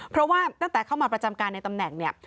เพราะว่านักแต่เข้ามาประจำการณ์ในตำแหน่ง